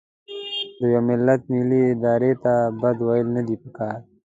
د یوه ملت ملي ارادې ته بد ویل نه دي پکار.